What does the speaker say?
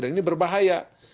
dan ini berbahaya